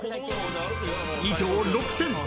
［以上６点。